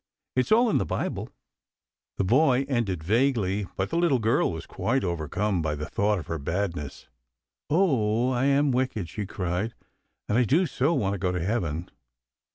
It's all in the Bible." The boy ended vaguely, but the little girl was quite overcome by the thought of her badness. " Oh, I am wicked !" she cried. "And I do so want to go to heaven."